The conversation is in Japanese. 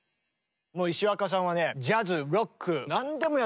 もう石若さんはねジャズロック何でもやるドラマー。